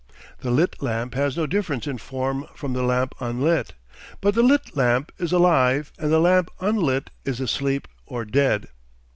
The lit lamp has no difference in form from the lamp unlit. But the lit lamp is alive and the lamp unlit is asleep or dead.